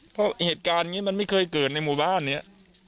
เพราะเหตุการณ์นี้มันไม่เคยเกิดในหมู่บ้านเนี่ย